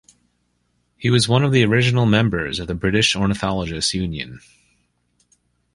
He was one of the original members of the British Ornithologists' Union.